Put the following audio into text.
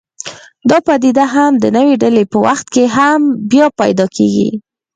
دا پدیده د نوې ډلې په وخت کې هم بیا پیدا کېږي.